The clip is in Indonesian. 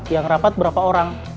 yang rapat berapa orang